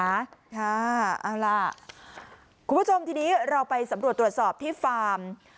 ค่ะเอาล่ะคุณผู้ชมทีนี้เราไปสำรวจตรวจสอบที่ฟาร์ม